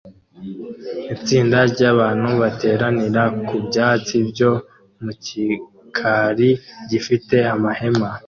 Itsinda ryabantu bateranira ku byatsi byo mu gikari gifite amahema